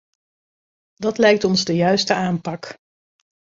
Dat lijkt ons de juiste aanpak.